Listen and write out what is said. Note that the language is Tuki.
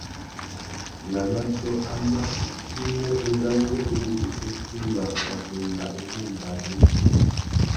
Nà matiō amá, i mú ngangu indi u timba wabunda wô barimú.